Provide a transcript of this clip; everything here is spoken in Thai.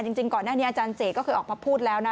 จริงก่อนหน้านี้อาจารย์เจก็เคยออกมาพูดแล้วนะ